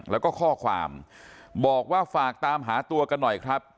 แล้วก็ข้อความบอกว่าฝากตามหาตัวกันหน่อยครับ